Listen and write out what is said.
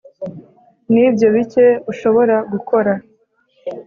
nibyo bike ushobora gukora